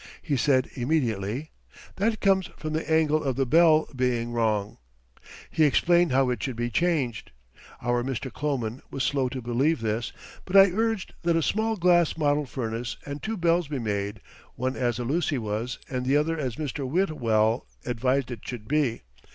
He said immediately: "That comes from the angle of the bell being wrong." He explained how it should be changed. Our Mr. Kloman was slow to believe this, but I urged that a small glass model furnace and two bells be made, one as the Lucy was and the other as Mr. Whitwell advised it should be.